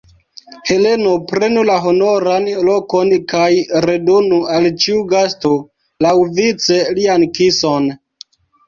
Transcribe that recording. Heleno, prenu la honoran lokon kaj redonu al ĉiu gasto, laŭvice, lian kison!